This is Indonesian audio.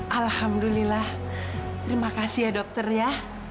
alhamdulillah terima kasih ya dokter ya